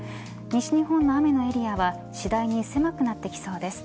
西日本の雨のエリアは次第に狭くなってきそうです。